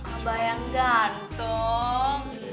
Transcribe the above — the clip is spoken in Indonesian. abah yang gantung